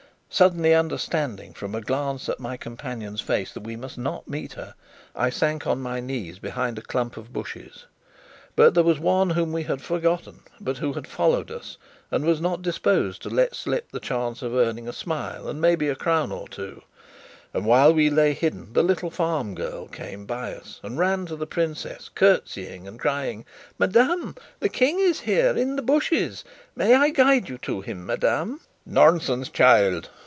Suddenly understanding from a glance at my companion's face that we must not meet her, I sank on my knees behind a clump of bushes. But there was one whom we had forgotten, but who followed us, and was not disposed to let slip the chance of earning a smile and maybe a crown or two; and, while we lay hidden, the little farm girl came by us and ran to the princess, curtseying and crying: "Madame, the King is here in the bushes! May I guide you to him, madame?" "Nonsense, child!"